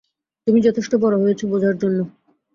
তুমি যথেষ্ট বড় হয়েছ বোঝার জন্য।